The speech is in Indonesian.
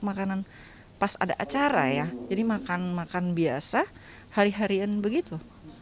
makanan pas ada acara ya jadi makan makan biasa hari harian begitu